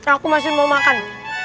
aku masih mau makan